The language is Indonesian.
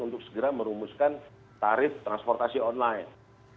untuk segera merumuskan tarif transportasi online